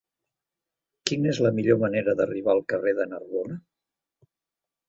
Quina és la millor manera d'arribar al carrer de Narbona?